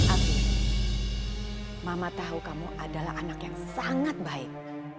api mama tau kamu adalah anak yang sangat baik